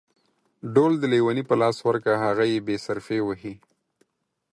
ډول د ليوني په لاس ورکه ، هغه يې بې صرفي وهي.